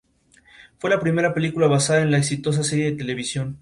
Fue la primera película basada en la exitosa serie de televisión.